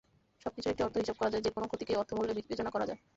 সবকিছুরই একটি আর্থিক হিসাব করা যায়, যেকোনো ক্ষতিকেই অর্থমূল্যে বিবেচনা করা যায়।